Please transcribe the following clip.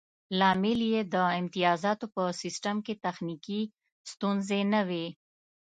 لامل یې د امتیازاتو په سیستم کې تخنیکي ستونزې نه وې